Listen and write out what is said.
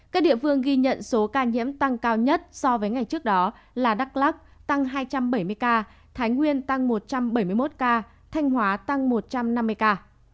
các địa phương ghi nhận số ca nhiễm tăng cao nhất so với ngày trước đó là đắk lắc tăng hai trăm bảy mươi ca thái nguyên tăng một trăm bảy mươi một ca thanh hóa tăng một trăm năm mươi ca